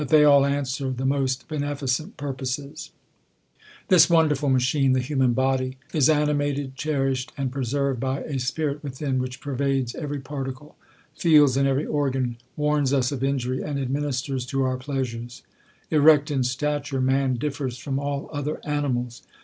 they all answer the oiost beneficent purposes. This THE COLUMBIAN ORATOR. 197 This wonderful machine, the human body, is ani mated, cherished, and preserved, by a spirit within, which pervades every particle, feels in every organ, warns us of injury, and administers to our pleasures. Erect in stature, man differs from all other animals.